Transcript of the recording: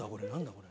これ。